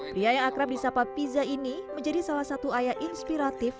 pria yang akrab di sapa piza ini menjadi salah satu ayah inspiratif